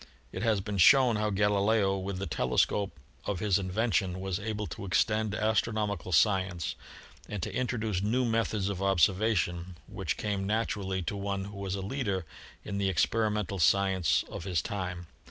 It has been shown how Galileo with the telescope of his invention was able to extend astronomical science and to introduce new methods of observation, which came naturally to one who was a leader in the ex perimental science of his time.